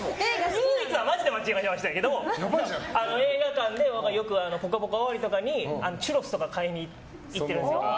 唯一はマジで間違えましたけど映画館でよく「ぽかぽか」終わりとかにチュロスとか買いに行ってるんです。